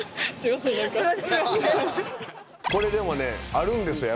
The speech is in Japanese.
これでもねあるんですよ